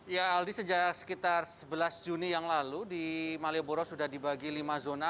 ya aldi sejak sekitar sebelas juni yang lalu di malioboro sudah dibagi lima zona